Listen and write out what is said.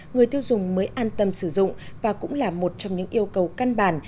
người tiêu dùng mới an tâm sử dụng và cũng là một trong những yêu cầu căn bản